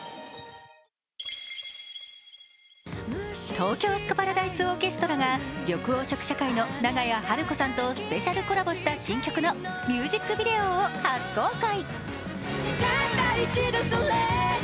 東京スカパラダイスオーケストラが緑黄色社会の長屋晴子さんとスペシャルコラボした新曲のミュージックビデオを初公開。